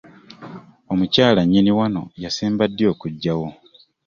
Omukyala nnyini wano yasemba ddi okujjawo?